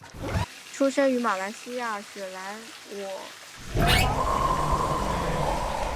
出生于马来西亚雪兰莪梳邦再也。